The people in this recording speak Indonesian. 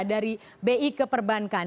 dari bi ke perbankan